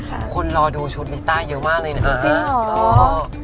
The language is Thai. คนรอดูชุดลิต้าเยอะมากเลยนะจริง